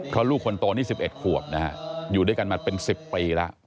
เพราะลูกคนโตนี่๑๑ขวบนะฮะอยู่ด้วยกันมาเป็น๑๐ปีแล้ว